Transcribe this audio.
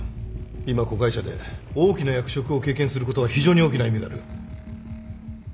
今子会社で大きな役職を経験することは非常に大きな意味がある